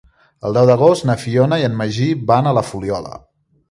El deu d'agost na Fiona i en Magí van a la Fuliola.